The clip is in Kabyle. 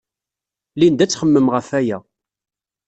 Linda ad txemmem ɣef waya.